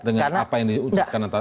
dengan apa yang diujakan pak antasari